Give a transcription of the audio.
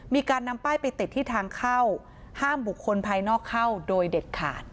มีการนำป้ายไปติดที่ทางเข้าห้ามบุคคลภายนอกเข้าโดยเด็ดขาด